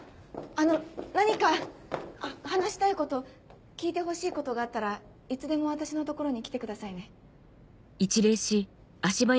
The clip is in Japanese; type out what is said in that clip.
あの何か話したいこと聞いてほしいことがあったらいつでも私の所に来てくださいね。